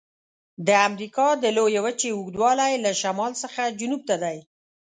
د امریکا د لویې وچې اوږدوالی له شمال څخه جنوب ته دی.